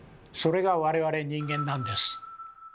それが我々人間なんです。